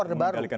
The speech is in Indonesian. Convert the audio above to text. itu odeh baru